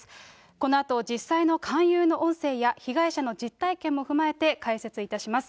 このあと、実際の勧誘の音声や被害者の実体験も踏まえて解説いたします。